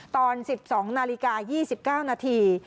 ตอน๑๒นาฬิกา๒๙นาที